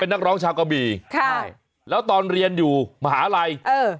นักร้องชาวกะบี่ใช่แล้วตอนเรียนอยู่มหาลัยเออ